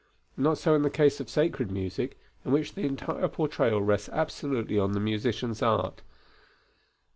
Not so in the case of sacred music, in which the entire portrayal rests absolutely on the musician's art.